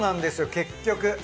結局。